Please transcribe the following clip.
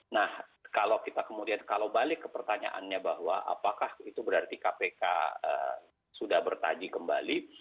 nah kalau kita kemudian kalau balik ke pertanyaannya bahwa apakah itu berarti kpk sudah bertaji kembali